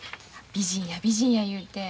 美人や美人や言うて。